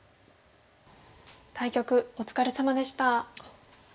対局お疲れさまでした。